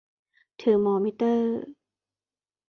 เทอร์มอมิเตอร์